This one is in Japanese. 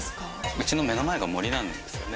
うちの目の前が森なんですよね